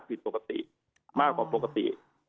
ผิดปกติมากกว่าปกติ